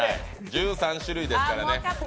１３種類ですからね。